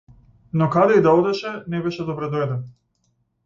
Но каде и да одеше, не беше добредојден.